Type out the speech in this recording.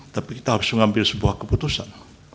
tapi kita harus mengambil sebuah keputusan